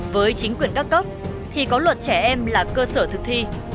với chính quyền các cấp thì có luật trẻ em là cơ sở thực thi